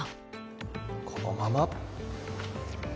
このまま。